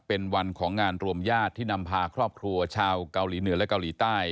เป็นวันของงานรวมญาติที่นำพาครอบครัวชาวเกาหลีเหนือและเกาหลีใต้